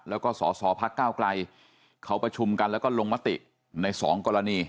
แล้วก็สอสอพักก้าวไกลเขาประชุมกันแล้วก็ลงมติในสองกรณี